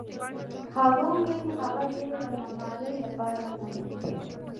هغه وویل: هغه ځای د معمارۍ لپاره نه دی.